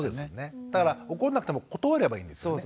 だから怒んなくても断ればいいんですよね。